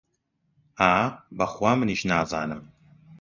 ها، بە خوا منیش نازانم!